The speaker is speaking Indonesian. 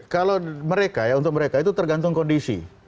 kalau mereka ya untuk mereka itu tergantung kondisi